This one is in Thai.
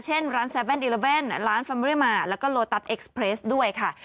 เช่นร้าน๗๑๑ร้านแฟเมริมาแล้วก็โลตัสเอ็กซ์เพรสด้วยค่ะ